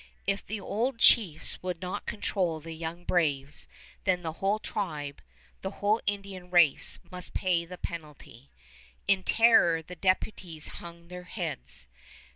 If the old chiefs would not control the young braves, then the whole tribe, the whole Indian race, must pay the penalty. In terror the deputies hung their heads.